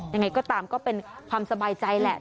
ยังไงก็ตามก็เป็นความสบายใจแหละ